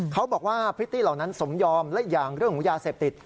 เขาบอกว่าพริตตี้เหล่านั้นสมยอมและอย่างเรื่องยาเสพติด